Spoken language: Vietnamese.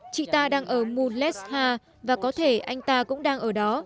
chị ta đang ở munlesha và có thể anh ta cũng đang ở đó